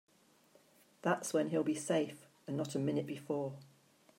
That's when he'll be safe and not a minute before.